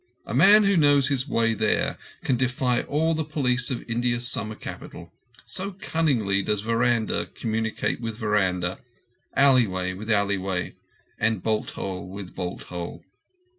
A man who knows his way there can defy all the police of India's summer capital, so cunningly does veranda communicate with veranda, alley way with alley way, and bolt hole with bolt hole.